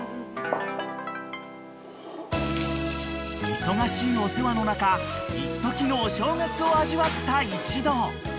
［忙しいお世話の中いっときのお正月を味わった一同］